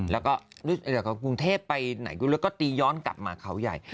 แล้วก็กรุงเทพไปไหนก็ตีย้อนกลับมาเขาใหญ่